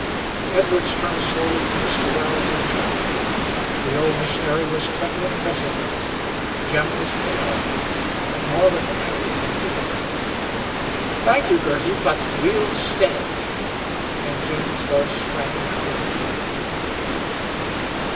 Edwards turned slowly to Mr. Wells and Jim. The old missionary was trembling visibly. Jim was pale; but more with anger than fear. "Thank you, Girty, but we'll stay," and Jim's voice rang clear.